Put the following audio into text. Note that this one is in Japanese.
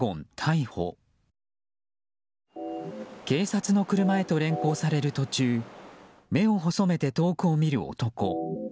警察の車へと連行される途中目を細めて遠くを見る男。